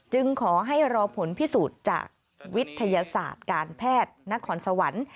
ขอให้รอผลพิสูจน์จากวิทยาศาสตร์การแพทย์นครสวรรค์